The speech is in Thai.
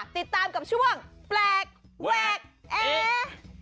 ติดตามกับช่วงแปลกแวกแอร์